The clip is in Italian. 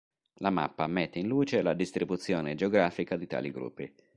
La mappa mette in luce la distribuzione geografica di tali gruppi.